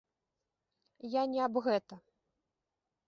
Я не аб гэта.